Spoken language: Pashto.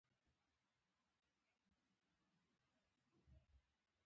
د کابل دربار په یوه مرجع بدل شوی وو.